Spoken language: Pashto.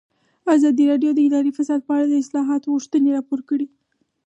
ازادي راډیو د اداري فساد په اړه د اصلاحاتو غوښتنې راپور کړې.